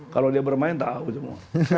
kalau dia bermain tahu